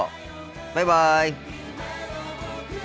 バイバイ。